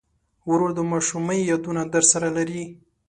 ورور د ماشومۍ یادونه درسره لري.